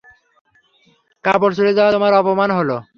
কাপড় ছিড়ে যাওয়ায় তোমার অপমান হলো।